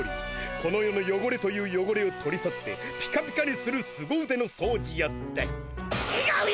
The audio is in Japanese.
この世のよごれというよごれを取り去ってピカピカにするすご腕の掃除や。ってちがうよ！